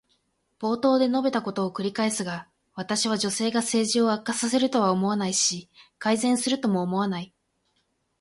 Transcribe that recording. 冒頭で述べたことを繰り返すが、私は女性が政治を悪化させるとは思わないし、改善するとも思わない。